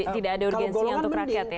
tidak ada urgensinya untuk rakyat ya